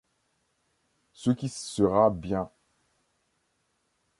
Ce qui sera bien.